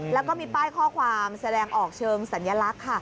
แล้วก็มีป้ายข้อความแสดงออกเชิงสัญลักษณ์ค่ะ